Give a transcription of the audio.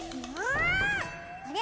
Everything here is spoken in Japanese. あれ？